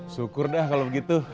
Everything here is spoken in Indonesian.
syukur dah kalau begitu